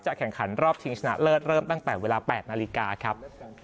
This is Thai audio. แข่งขันรอบชิงชนะเลิศเริ่มตั้งแต่เวลา๘นาฬิกาครับ